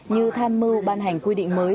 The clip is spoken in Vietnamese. như tham mưu ban hành quy định mới